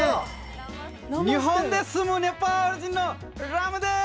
日本で住むネパール人のラムです。